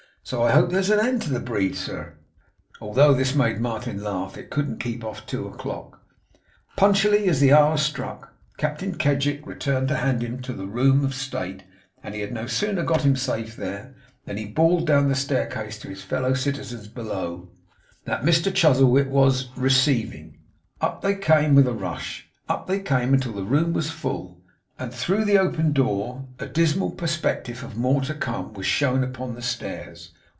So I hope there's an end to the breed, sir.' Although this made Martin laugh, it couldn't keep off two o'clock. Punctually, as the hour struck, Captain Kedgick returned to hand him to the room of state; and he had no sooner got him safe there, than he bawled down the staircase to his fellow citizens below, that Mr Chuzzlewit was 'receiving.' Up they came with a rush. Up they came until the room was full, and, through the open door, a dismal perspective of more to come, was shown upon the stairs.